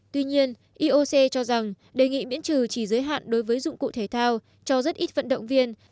tuy nhiên ioc cho rằng đề nghị miễn trừ chỉ giới hạn đối với dụng cụ thể thao cho rất ít vận động viên